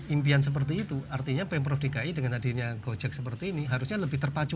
impian seperti itu artinya pemprov dki dengan hadirnya gojek seperti ini harusnya lebih terpacu